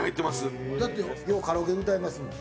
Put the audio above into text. ようカラオケで歌いますもん。